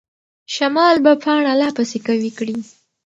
شمال به پاڼه لا پسې قوي کړي.